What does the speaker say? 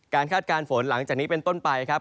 คาดการณ์ฝนหลังจากนี้เป็นต้นไปครับ